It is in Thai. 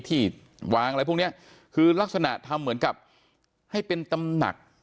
ที่วางอะไรพวกเนี้ยคือลักษณะทำเหมือนกับให้เป็นตำหนัก